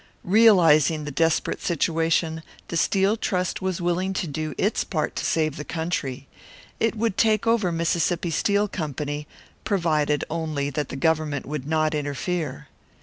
Realising the desperate situation, the Steel Trust was willing to do its part to save the country it would take over the Mississippi Steel Company, provided only that the Government would not interfere.